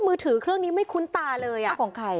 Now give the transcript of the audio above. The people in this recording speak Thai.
มือถือเครื่องนี้ไม่คุ้นตาเลยเอาของใคร